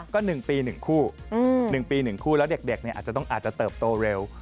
ก็๑ปี๑คู่แล้วเด็กอาจจะต้องเติบโตเร็ว